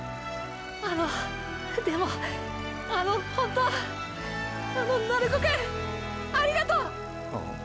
あのでもあのホントあの鳴子くんありがとう！！ん？